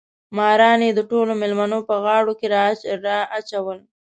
ماران یې د ټولو مېلمنو په غاړو کې راچول.